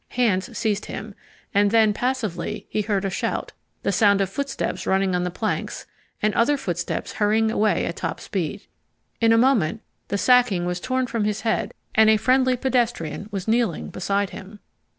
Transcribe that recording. Hands seized him and then, passively, he heard a shout, the sound of footsteps running on the planks, and other footsteps hurrying away at top speed. In a moment the sacking was torn from his head and a friendly pedestrian was kneeling beside him.